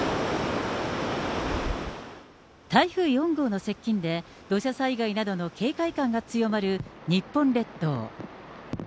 台風４号の接近で、土砂災害などの警戒感が強まる日本列島。